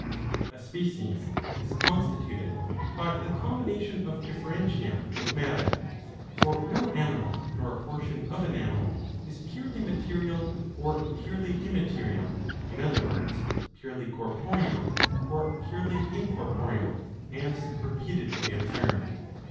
(A species is constituted by the combination of differentia and matter. For no animal, nor portion of an animal, is purely material or purely immaterial, in other words purely corporeal or purely incorporeal, as repeatedly observed.)